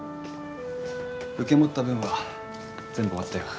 受け持った分は全部終わったよ。